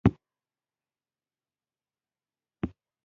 او چارچاپېره يې نړېدلي دېوالونه.